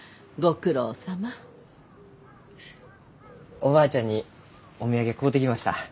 おばあちゃんにお土産買うてきました。